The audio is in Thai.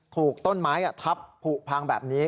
ถูกต้นไม้ทับผูกพังแบบนี้